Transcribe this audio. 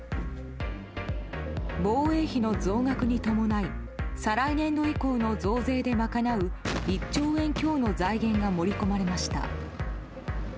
防衛費の増額に伴い再来年度以降の増税で賄う１兆円強の財源が盛り込まれました。